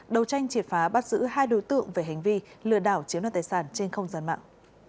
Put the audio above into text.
đầu tranh triệt phá bắt giữ hai đối tượng về hành vi lừa đảo chiếm đoạt tài sản trên không gian mạng